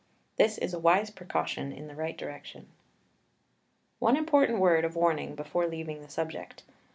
This is a wise precaution in the right direction. One important word of warning before leaving the subject.